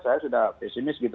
saya sudah pesimis gitu